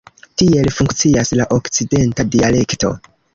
Tiel funkcias la okcidenta dialekto.